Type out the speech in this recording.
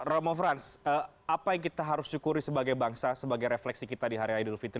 romo frans apa yang kita harus syukuri sebagai bangsa sebagai refleksi kita di hari idul fitri